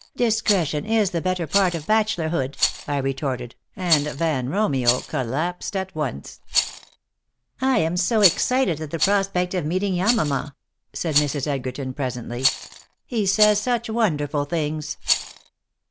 "Discretion is the better part of bachelorhood," I retorted, and Van Romeo collapsed at once. "I am so excited at the prospect of meeting Yamama," said Mrs. Edgerton, presently. "He says such wonderful things!"